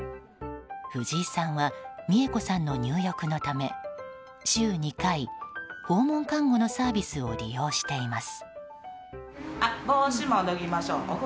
藤井さんは三恵子さんの入浴のため週２回、訪問看護のサービスを利用しています。